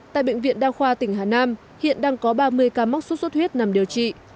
tại bệnh viện đa khoa tỉnh hà nam hiện đang có ba mươi ca mắc sốt xuất huyết nằm điều trị